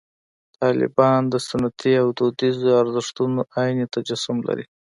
طالبان د سنتي او دودیزو ارزښتونو عیني تجسم لري.